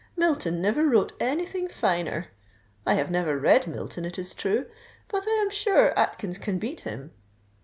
Milton never wrote any thing finer. I have never read Milton, it is true; but I am sure Atkins can beat him.